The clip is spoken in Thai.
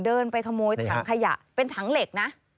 เดินไปขโมยถังขยะเป็นถังเหล็กนะ